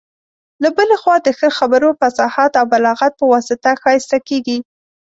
له بلي خوا د ښه خبرو، فصاحت او بلاغت په واسطه ښايسته کيږي.